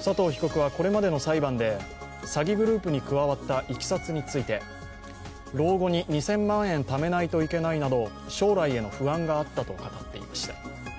佐藤被告はこれまでの裁判で詐欺グループに加わったいきさつについて老後に２０００万円ためないといけないなど将来への不安があったと語っていました。